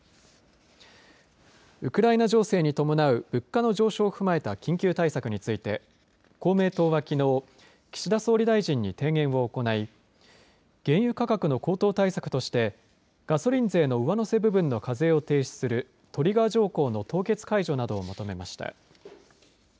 ウクライナ情勢に伴う物価の上昇を踏まえた緊急対策について公明党はきのう、岸田総理大臣に提言を行い原油価格の高騰対策としてガソリン税の上乗せ部分の課税を停止するトリガー条項の凍結解除などを求めました。